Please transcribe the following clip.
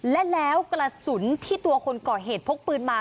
และแล้วกระสุนที่ตัวคนก่อเหตุพกปืนมา